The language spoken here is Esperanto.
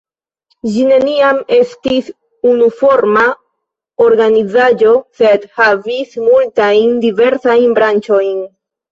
Ĝi neniam estis unuforma organizaĵo sed havis multajn diversajn branĉojn.